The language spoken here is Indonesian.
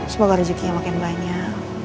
semoga rejekinya makin banyak